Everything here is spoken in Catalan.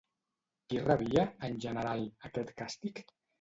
Qui rebia, en general, aquest càstig?